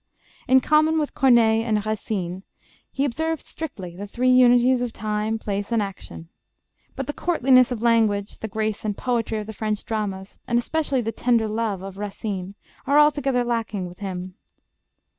In common with Corneille and Racine, he observed strictly the three unities of time, place, and action. But the courtliness of language, the grace and poetry of the French dramas, and especially the tender love of Racine, are altogether lacking with him.